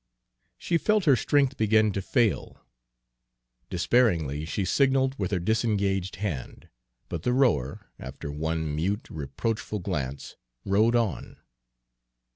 She felt her strength begin to fail. Despairingly she signaled with her disengaged hand; but the rower, after one mute, reproachful glance, rowed on.